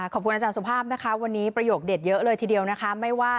ขอบคุณอาจารย์สุภาพนะคะวันนี้ประโยคเด็ดเยอะเลยทีเดียวนะคะ